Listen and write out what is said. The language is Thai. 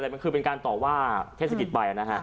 มันคือเป็นการต่อว่าเทศกิจไปนะฮะ